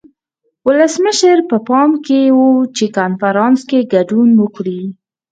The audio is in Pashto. ولسمشر په پام کې و چې کنفرانس کې ګډون وکړي.